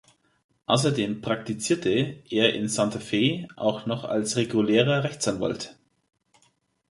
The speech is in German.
Außerdem praktizierte er in Santa Fe auch noch als regulärer Rechtsanwalt.